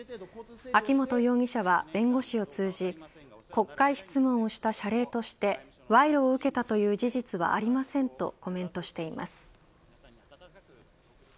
秋本容疑者は弁護士を通じ国会質問をした謝礼として賄賂を受けたという事実はありませんとコメントしています。